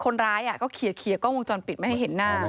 คนร้ายก็เคลียร์กล้องวงจรปิดไม่ให้เห็นหน้า